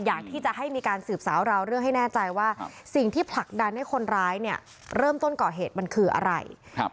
อยากที่จะให้มีการสืบสาวราวเรื่องให้แน่ใจว่าสิ่งที่ผลักดันให้คนร้ายเนี่ยเริ่มต้นก่อเหตุมันคืออะไรครับ